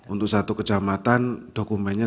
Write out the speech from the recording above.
untuk satu kecamatan dokumennya